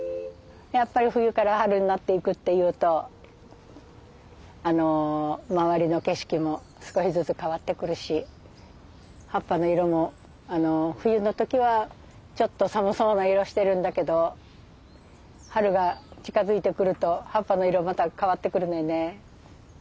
やっぱり冬から春になっていくっていうとあの周りの景色も少しずつ変わってくるし葉っぱの色も冬の時はちょっと寒そうな色してるんだけど春が近づいてくると葉っぱの色また変わってくるのよね。